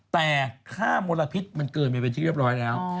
แต่ค่ามลพิษมันเกินไปเป็นที่เรียบร้อยแล้ว